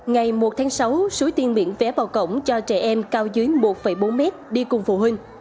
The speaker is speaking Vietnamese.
ngày một tháng sáu suối tiên miễn vé vào cổng cho trẻ em cao dưới một bốn mét đi cùng phụ huynh